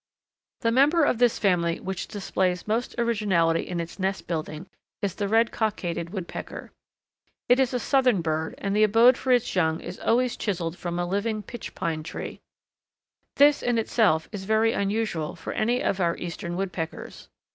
The member of this family which displays most originality in its nest building is the Red cockaded Woodpecker. It is a Southern bird, and the abode for its young is always chiselled from a living pitch pine tree. This, in itself, is very unusual for any of our eastern Woodpeckers.